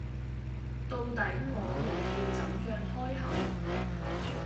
到底我們要怎樣開口？